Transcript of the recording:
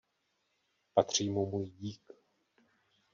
Patří mu můj dík.